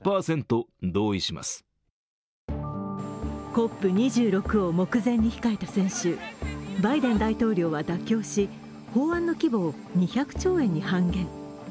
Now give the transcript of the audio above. ＣＯＰ２６を目前に控えた先週、バイデン大統領は妥協し法案の規模を２００兆円に半減。